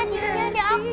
disini ada aku